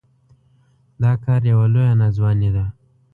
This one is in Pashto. دا کار يوه لويه ناځواني ده.